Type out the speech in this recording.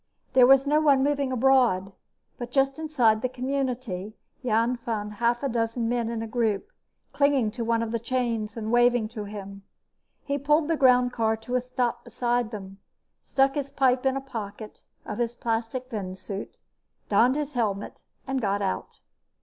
There was no one moving abroad, but just inside the community Jan found half a dozen men in a group, clinging to one of the chains and waving to him. He pulled the groundcar to a stop beside them, stuck his pipe in a pocket of his plastic venusuit, donned his helmet and got out.